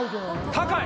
高い。